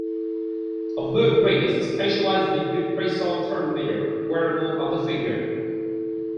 A mood ring is a specialized liquid crystal thermometer, wearable on the finger.